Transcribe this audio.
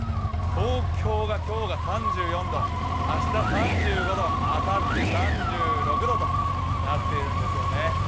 東京が今日が３４度、明日３５度、あさって３６度となっているんですよね。